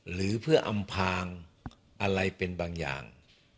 หรือเพื่ออำพางอะไรเป็นบางอย่าง